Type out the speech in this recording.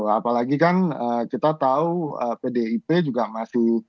apalagi kan kita tahu pdip juga masih